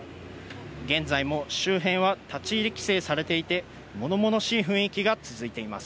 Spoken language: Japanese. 現在も周辺は立ち入り規制されていて、物々しい雰囲気が続いています。